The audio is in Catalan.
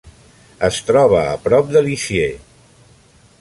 Es troba a prop de Lisieux.